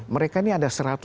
mereka ini ada seratus lebih